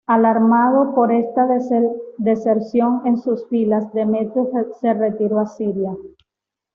Alarmado por esta deserción en sus filas, Demetrio se retiró a Siria.